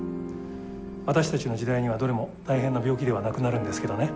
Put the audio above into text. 私たちの時代にはどれも大変な病気ではなくなるんですけどね。